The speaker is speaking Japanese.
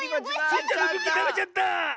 スイちゃんのクッキーたべちゃった！